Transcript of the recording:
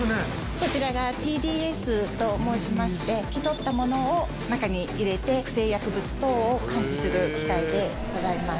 こちらがＴＤＳと申しまして吹き取った物を中に入れて不正薬物等を感知する機械でございます。